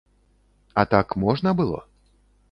А так можна было?